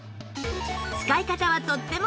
使い方はとっても簡単